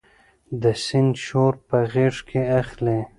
د سیند شور په غیږ کې اخلي